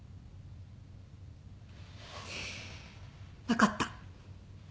分かった。